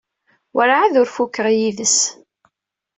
Werɛad ur fukeɣ yid-s.